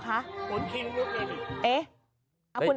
ขนคีองลูกสิ